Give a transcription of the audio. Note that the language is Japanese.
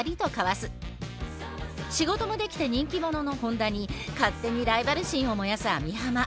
仕事もできて人気者の本田に勝手にライバル心を燃やす網浜。